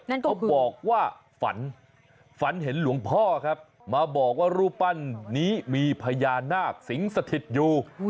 เขาบอกว่าฝันฝันเห็นหลวงพ่อครับมาบอกว่ารูปปั้นนี้มีพญานาคสิงสถิตอยู่